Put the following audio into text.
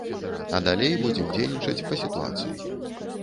А далей будзем дзейнічаць па сітуацыі.